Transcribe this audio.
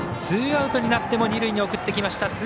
ツーアウトになっても二塁に送ってきました。